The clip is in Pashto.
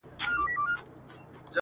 دا وطن به خپل مالک ته تسلمیږي!!